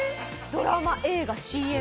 ドラマ映画ＣＭ。